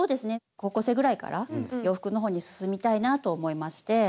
高校生ぐらいから洋服の方に進みたいなと思いまして。